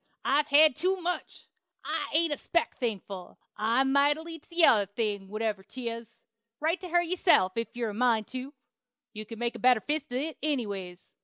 I've hed too much. I ain't a speck thankful! I'm mightily t'other thing, whatever 'tis. Write to her yourself, if you're a mind tu. You can make a better fist at it, anyways.